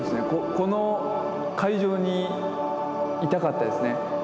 この会場にいたかったですね。